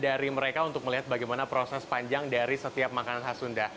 dan bagian dari mereka untuk melihat bagaimana proses panjang dari setiap makanan khas sunda